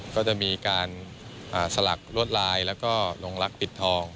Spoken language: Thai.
ก็จะมีการสลักลวดลายแล้วก็ลงรักปิดทอง